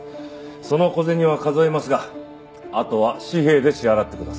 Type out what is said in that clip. その小銭は数えますがあとは紙幣で支払ってください。